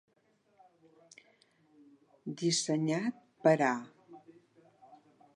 Dissenyat per A.